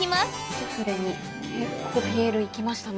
スフレに結構ピエールいきましたね。